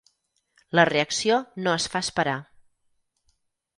La reacció no es fa esperar.